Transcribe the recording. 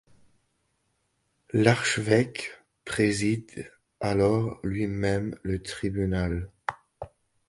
L'archevêque préside alors lui-même le tribunal.